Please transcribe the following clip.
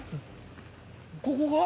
ここが？